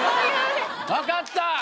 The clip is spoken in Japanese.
わかった！